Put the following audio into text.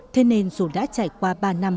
thế nên dù đã trải qua ba năm